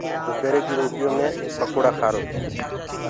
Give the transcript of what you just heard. دُپيري ڪي روٽيو مي مينٚ پِڪوڙآ کآرو تو۔